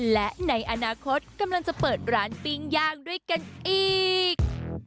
และในอนาคตกำลังจะเปิดร้านปิ้งย่างด้วยกันอีก